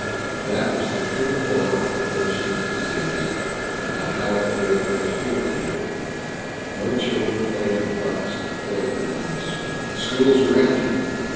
That was the true horror of Thurston's Disease not how it killed, but who it killed. No children played in the parks and playgrounds. The schools were empty.